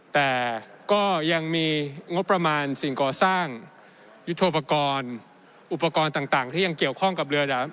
แต่ก็ยังมีงบประมาณสิ่งก่อสร้างยุทธโปรกรณ์อุปกรณ์ต่างที่ยังเกี่ยวข้องกับเรือดำ